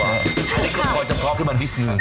อันนี้ก็พอจะพร้อมให้มันพิสูจน์